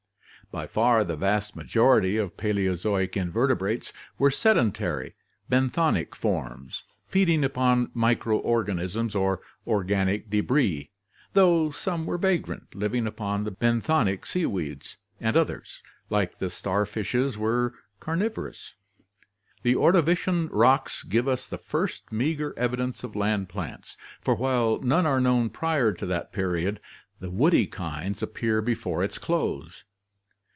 By far the vast majority of Paleozoic invertebrates were sedentary benthonic forms, feeding upon microorganisms or organic debris, though some were vagrant, living upon the benthonic seaweeds, and others, like the starfishes, were carnivorous. The Ordovician rocks give us the first meager evidence of land plants, for while none are known prior to that period, the woody kinds appear before its close.